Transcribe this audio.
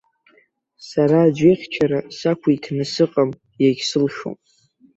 Сара аӡә ихьчара сақәиҭны сыҟам, иагьсылшом.